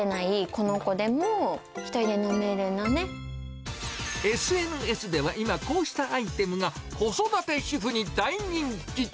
この子でも、ＳＮＳでは今、こうしたアイテムが子育て主婦に大人気。